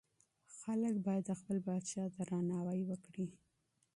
خلګ بايد د خپل پاچا درناوی وکړي.